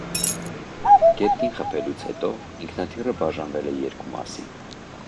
Գետնին խփելուց հետո ինքնաթիռը բաժանվել է երկու մասի։